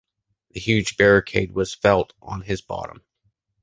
The huge barricade was felt on his bottom.